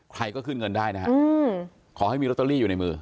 ใครก็ขึ้นเงินได้นะฮะขอให้มีลอตเตอรี่อยู่ในมือ